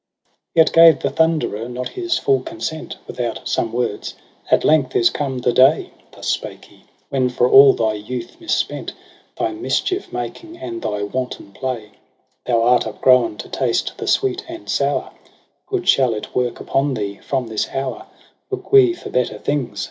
Yet gave the Thunderer not his full consent Without some words :' At length is come the day,' Thus spake he, ' when for all thy youth misspent. Thy mischief making and thy wanton play Thou art upgrown to taste the sweet and sour : Good shall it work upon thee : from this hour Look we for better things.